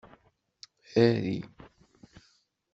Arry